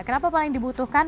kenapa paling dibutuhkan